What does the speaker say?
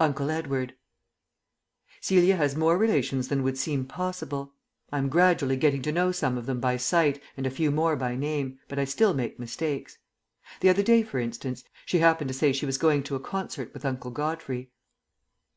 UNCLE EDWARD Celia has more relations than would seem possible. I am gradually getting to know some them by sight and a few more by name, but I still make mistakes. The other day, for instance, she happened to say she was going to a concert with Uncle Godfrey.